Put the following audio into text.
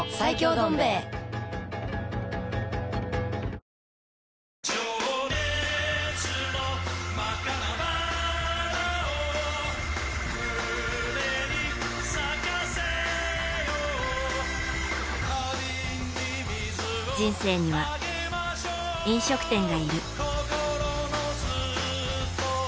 どん兵衛人生には、飲食店がいる。